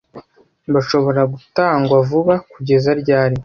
Bashobora gutangwa vuba kugeza ryari?